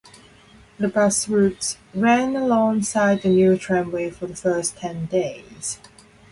The bus routes ran alongside the new tramway for the first ten days.